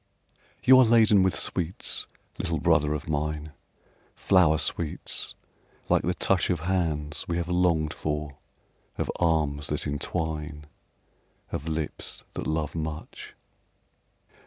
You are laden with sweets, little brother of mine, Flower sweets, like the touch Of hands we have longed for, of arms that entwine, Of lips that love much.